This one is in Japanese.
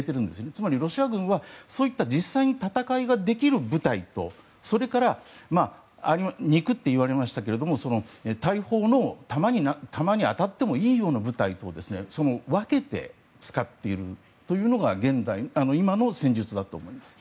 つまりロシア軍は実際に戦いができる部隊とそれから肉っていわれましたけど大砲の弾に当たってもいいような部隊と分けて使っているというのが今の戦術だと思います。